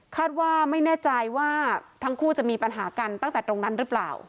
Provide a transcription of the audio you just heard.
ว่าไม่แน่ใจว่าทั้งคู่จะมีปัญหากันตั้งแต่ตรงนั้นหรือเปล่า